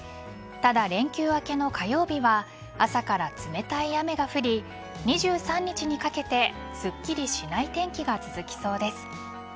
ただ、連休明けの火曜日は朝から冷たい雨が降り２３日にかけてすっきりしない天気が続きそうです。